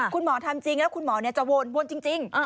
คุณหมอทำจริงแล้วคุณหมอจะวนจริง